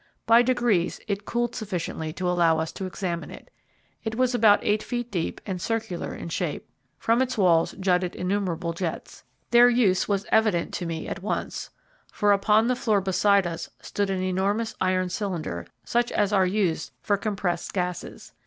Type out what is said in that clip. By degrees it cooled sufficiently to allow us to examine it. It was about 8ft. deep and circular in shape. From its walls jutted innumerable jets. Their use was evident to me at once, for upon the floor beside us stood an enormous iron cylinder, such as are used for compressed gases.